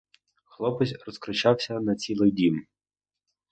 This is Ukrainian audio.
Хлопець розкричався на цілий дім.